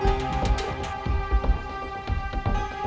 syukur kalau gitu mah